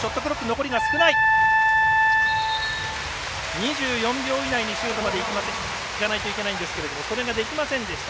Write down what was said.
２４秒以内にシュートまでいかないといけないんですけどそれができませんでした。